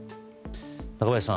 中林さん